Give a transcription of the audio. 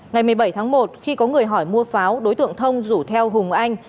ngày một mươi bảy tháng một khi có người hỏi mua pháo đối tượng thông rủ theo hùng anh